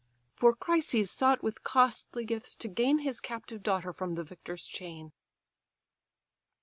For Chryses sought with costly gifts to gain His captive daughter from the victor's chain.